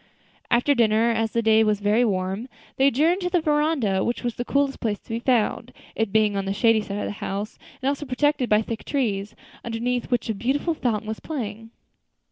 After dinner, as the day was very warm, they adjourned to the veranda, which was the coolest place to be found; it being on the shady side of the house, and also protected by thick trees, underneath which a beautiful fountain was playing.